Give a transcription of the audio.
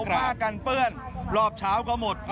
ผ้ากันเปื้อนรอบเช้าก็หมด